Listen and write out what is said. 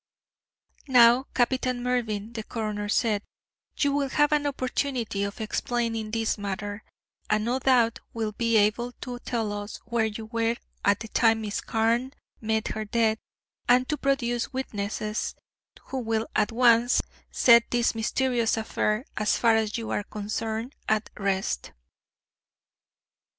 "Now, Captain Mervyn," the coroner said, "you will have an opportunity of explaining this matter, and, no doubt, will be able to tell us where you were at the time Miss Carne met her death, and to produce witnesses who will at once set this mysterious affair, as far as you are concerned, at rest."